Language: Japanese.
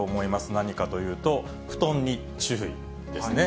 何かというと、布団に注意ですね。